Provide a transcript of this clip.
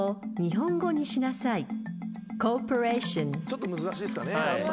ちょっと難しいですかね。